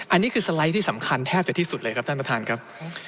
อันนี้คือสไลด์ที่สำคัญแทบจะที่สุดเลยครับท่านประธานครับ